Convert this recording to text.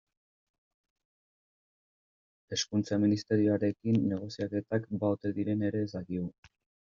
Hezkuntza Ministerioarekin negoziaketak ba ote diren ere ez dakigu.